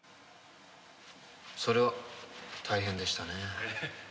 それは大変でしたね。